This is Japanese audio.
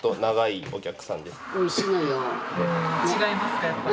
違いますかやっぱり。